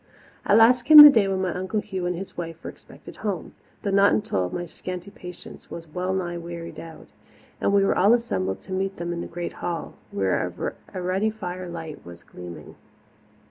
At last came the day when my Uncle Hugh and his wife were expected home though not until my scanty patience was well nigh wearied out and we were all assembled to meet them in the great hall, where a ruddy firelight was gleaming.